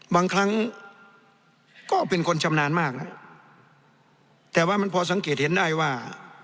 บางครั้งก็เป็นคนชำนาญมากแต่ว่ามันพอสังเกตเห็นได้ว่า